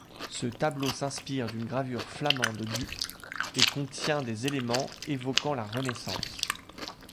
Ce tableau s'inspire d'une gravure flamande du et contient des éléments évoquant la Renaissance.